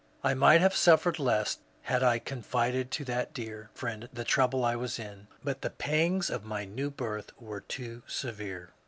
I might have suffered less had I confided to that dear ROGER BROOKE 123 friend the trouble I was in, but the pangs of my new birth were too severe.